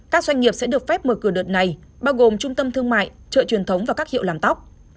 các doanh nghiệp sẽ được phép mở cửa đợt này bao gồm trung tâm thương mại chợ truyền thống và các hiệu làm tóc